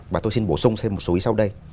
và tôi xin bổ sung xem một số ý sau đây